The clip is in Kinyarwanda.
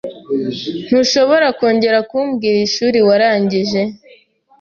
Ntushobora kongera kumbwira ishuri warangije?